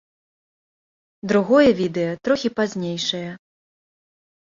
Другое відэа трохі пазнейшае.